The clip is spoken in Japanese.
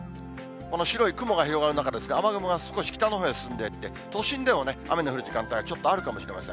この白い雲が広がる中ですが、雨雲が少し北のほうへ進んでいって、都心でも雨の降る時間がちょっとあるかもしれません。